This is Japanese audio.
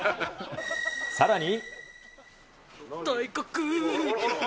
さらに。